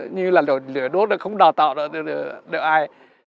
như là lửa đốt không đào tạo được ai